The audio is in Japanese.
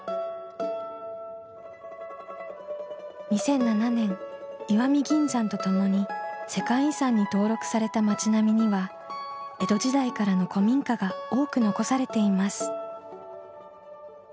２００７年石見銀山と共に世界遺産に登録された町並みには江戸時代からの古民家が多く残されています。